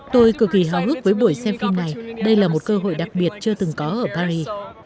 tôi cực kỳ hào hức với buổi xem phim này đây là một cơ hội đặc biệt chưa từng có ở paris